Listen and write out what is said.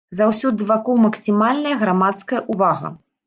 Заўсёды вакол максімальная грамадская ўвага.